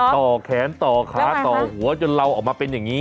แขนต่อขาต่อหัวจนเราออกมาเป็นอย่างนี้